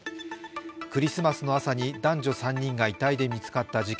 クリスマスの朝に男女３人が遺体で見つかった事件。